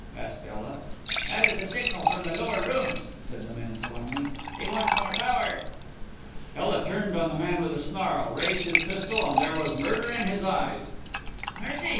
asked Ela. "That is a signal from the lower rooms," said the man sullenly; "they want more power." Ela turned on the man with a snarl, raised his pistol and there was murder in his eyes. "Mercy!"